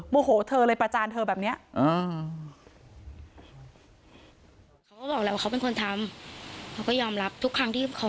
โมโหเธอเลยประจานเธอแบบนี้